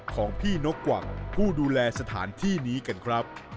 ของพี่นกกวักผู้ดูแลสถานที่นี้กันครับ